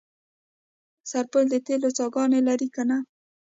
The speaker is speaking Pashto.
سرپل د تیلو څاګانې لري که نه؟